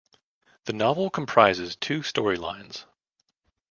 The novel comprises two story-lines.